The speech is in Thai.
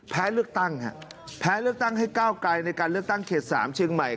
แพ้เลือกตั้งให้ก้าวไกลในการเลือกตั้งเขต๓เชียงใหม่